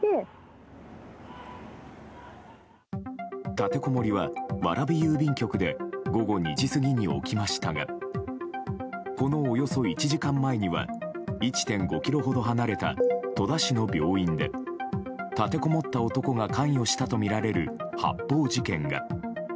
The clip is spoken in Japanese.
立てこもりは、蕨郵便局で午後２時過ぎに起きましたがこのおよそ１時間前には１．５ｋｍほど離れた戸田市の病院で立てこもった男が関与したとみられる発砲事件が。